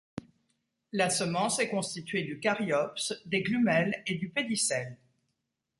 La semence est constituée du caryopse, des glumelles et du pédicelle.